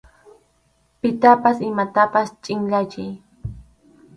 Pitapas imatapas chʼinyachiy.